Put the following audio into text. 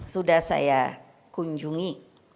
sudah saya kunjungi